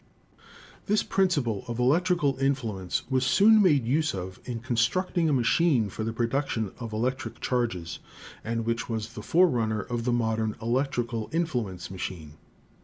This principle of electrical influence was soon made use of in constructing a machine for the production of electric charges and which was the forerunner of the modern electrical influence machine.